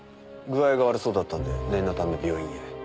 具合が悪そうだったんで念のため病院へ。